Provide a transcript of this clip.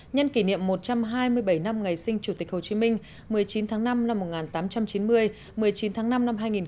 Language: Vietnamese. nhân kỷ niệm một trăm hai mươi bảy năm ngày sinh chủ tịch hồ chí minh một mươi chín tháng năm năm một nghìn tám trăm chín mươi một mươi chín tháng năm năm hai nghìn hai mươi